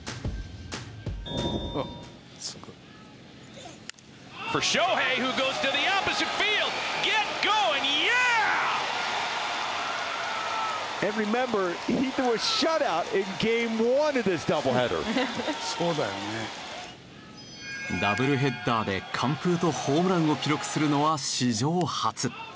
「すごい」ダブルヘッダーで完封とホームランを記録するのは史上初。